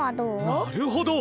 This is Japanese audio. なるほど。